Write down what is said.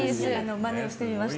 まねしてみました。